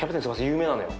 有名なのよ。